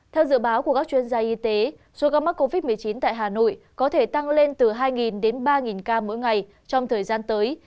theo dự báo của các chuyên gia y tế số ca mắc covid một mươi chín tại hà nội có thể tăng lên từ hai đến ba ca mỗi ngày trong thời gian tới